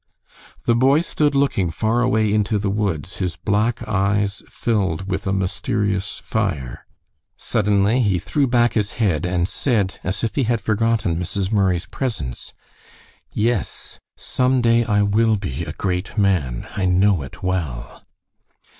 The boy stood looking far away into the woods, his black eyes filled with a mysterious fire. Suddenly he threw back his head and said, as if he had forgotten Mrs. Murray's presence, "Yes, some day I will be a great man. I know it well."